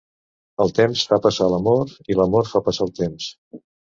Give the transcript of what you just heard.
El temps fa passar l'amor i l'amor fa passar el temps.